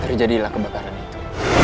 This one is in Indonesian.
terjadilah kebakaran itu